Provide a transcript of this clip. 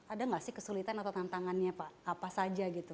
ada tidak kesulitan atau tantangannya pak apa saja